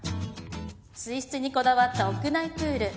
水質にこだわった屋内プール。